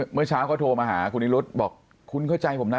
เมื่อเช้าเขาโทรมาหาคุณนิรุธบอกคุณเข้าใจผมนะ